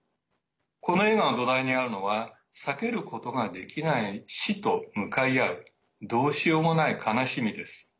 この映画の土台にあるのは避けることができない死と向かい合うどうしようもない悲しみです。